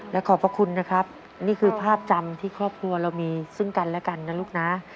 และขอบพระคุณนะครับนี่คือภาพจำที่ครอบครัวเรามีซึ่งกันและกันนะลูกนะ